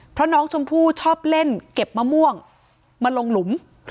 เพราะน้องชมพู่ชอบเล่นเก็บมะม่วงมาลงหลุม